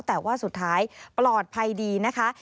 แต่ว่าสุดท้ายปลอดภัยดีนะคะ